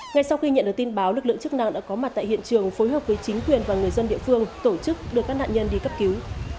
ngay sau khi nhận được tin báo lực lượng chức năng đã có mặt tại hiện trường phối hợp với chính quyền và người dân địa phương tổ chức đưa các nạn nhân đi cấp cứu